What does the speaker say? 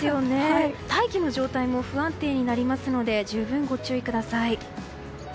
大気の状態も不安定になりますので十分ご注意ください。